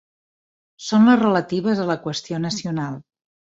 Són les relatives a la qüestió nacional.